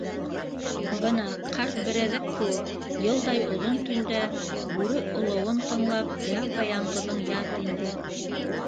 Бына, ҡарт берәҙәк кеүек, йылдай оҙон төндә, бүре олоуын тыңлап, япа-яңғыҙың ят инде.